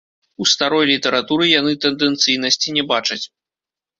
У старой літаратуры яны тэндэнцыйнасці не бачаць.